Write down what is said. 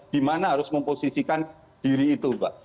di mana harus memposisikan diri itu mbak